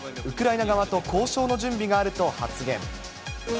ウクライナ側と交渉の準備があると発言。